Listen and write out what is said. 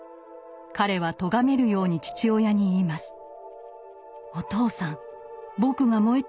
彼はとがめるように父親に言います。